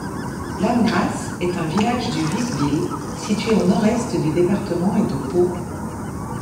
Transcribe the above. Lannegrasse est un village du Vic-Bilh, situé au nord-est du département et de Pau.